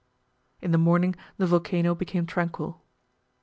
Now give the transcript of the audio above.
In the morning the volcano became tranquil.